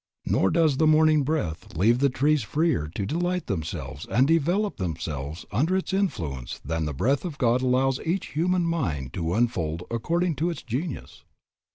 Nor does the morning breath leave the trees freer to delight themselves and develop themselves under its influence than the Breath of God allows each human mind to unfold according to its genius.